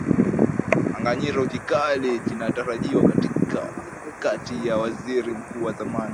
aganyiro kikali kinatarajiwa kati ya waziri mkuu wa zamani